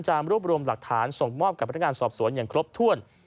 รวบรวมหลักฐานส่งมอบกับพนักงานสอบสวนอย่างครบถ้วน